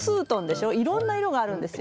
いろんな色があるんですよ。